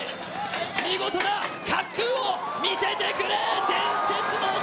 見事な滑空を見せてくれ伝説の男。